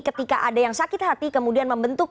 ketika ada yang sakit hati kemudian membentuk